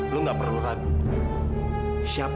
lo gak perlu kagum